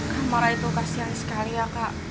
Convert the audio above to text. kak marah itu kasihan sekali ya kak